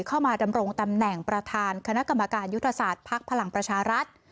เข้ามาดำรงตำแหน่งประธานคณะกรรมการยุทธศาสตร์ภักดิ์พลังประชารัฐ